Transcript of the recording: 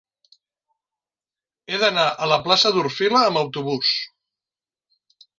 He d'anar a la plaça d'Orfila amb autobús.